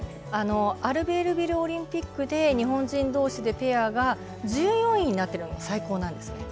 アルベールビルオリンピックで日本人どうしでペアが１４位になっているのが最高なんです。